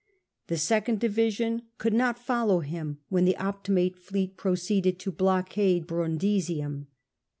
The second division could not follow him, when the Optimate lleot procec^ded to blockade Brundisium.